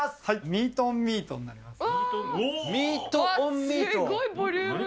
ミートｏｎミートになります。